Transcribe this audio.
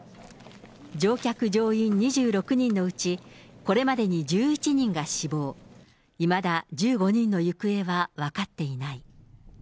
乗客・乗員２６人のうち、これまでに１１人が死亡、いまだ１５人の行方は分かっていない。